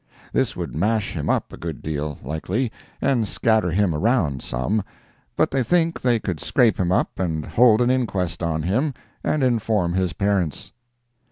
This would mash him up a good deal, likely, and scatter him around some, but they think they could scrape him up and hold an inquest on him, and inform his parents.